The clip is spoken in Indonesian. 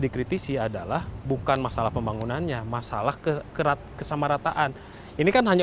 dikritisi adalah bukan masalah pembangunannya masalah kekerat kesamarataan ini kan hanya